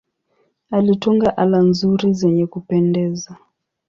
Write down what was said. Alitunga ala nzuri zenye kupendeza.